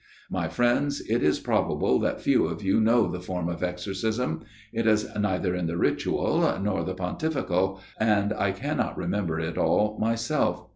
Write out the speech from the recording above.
" My friends, it is probable that few of you know the form of exorcism. It is neither in the Ritual nor the Pontifical, and I cannot remember it all myself.